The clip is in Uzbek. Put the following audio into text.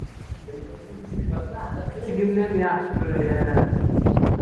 — Kuchugimniyam yaxshi ko‘ray-a?